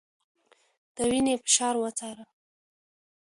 د وينې فشار وڅاره